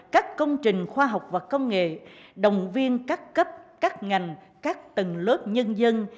các công trình khoa học và công nghệ đồng viên các cấp các ngành các tầng lớp nhân dân